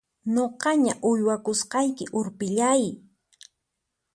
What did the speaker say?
Nuqaña uywakusqayki urpillay!